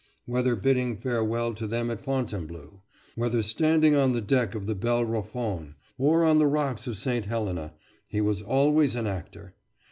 whether bidding farewell to them at Fontainebleau; whether standing on the deck of the Bellerophon, or on the rocks of St. Helena he was always an actor.